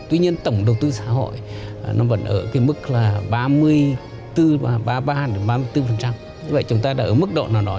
tuy nhiên tổng đầu tư xã hội vẫn ở mức ba mươi bốn